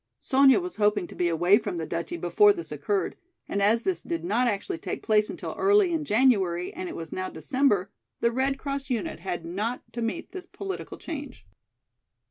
Sonya was hoping to be away from the duchy before this occurred, and as this did not actually take place until early in January and it was now December, the American Red Cross unit had not to meet this political change.